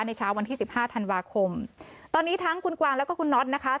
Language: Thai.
เช้าวันที่สิบห้าธันวาคมตอนนี้ทั้งคุณกวางแล้วก็คุณน็อตนะคะ